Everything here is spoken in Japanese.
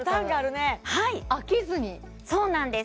そうなんです